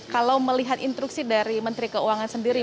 kalau melihat instruksi dari menteri keuangan sendiri